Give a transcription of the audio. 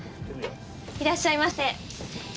いらっしゃいませ。